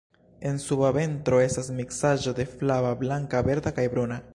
En suba ventro estas miksaĵo de flava, blanka, verda kaj bruna.